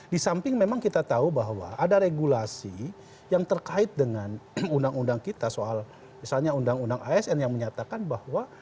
di samping memang kita tahu bahwa ada regulasi yang terkait dengan undang undang kita soal misalnya undang undang asn yang menyatakan bahwa